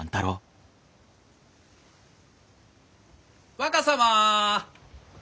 若様！